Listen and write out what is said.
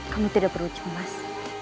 kamu tidak perlu cemas